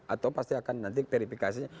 atau pasti akan nanti verifikasinya